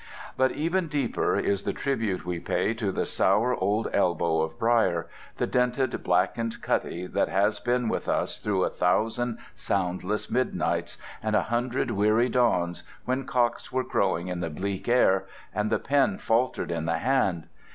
But even deeper is the tribute we pay to the sour old elbow of briar, the dented, blackened cutty that has been with us through a thousand soundless midnights and a hundred weary dawns when cocks were crowing in the bleak air and the pen faltered in the hand.